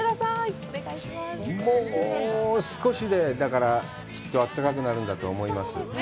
もう少しで、きっと暖かくなるんだと思います。